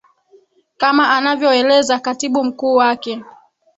kama anavyoeleza katibu mkuu wake